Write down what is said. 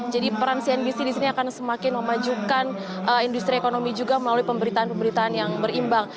jadi peran cnbc di sini akan semakin memajukan industri ekonomi juga melalui pemberitaan pemberitaan yang berimbang